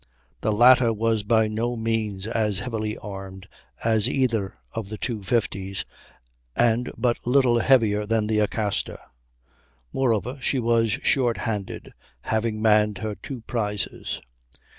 The latter was by no means as heavily armed as either of the two 50's, and but little heavier than the Acasta; moreover, she was shorthanded, having manned her two prizes.